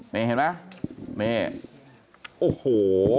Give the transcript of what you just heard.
นี่เห็นไหมนี่โอ้โห